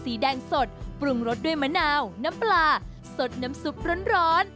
สีแดงสดปรุงรสด้วยมะนาวน้ำปลาสดน้ำซุปร้อน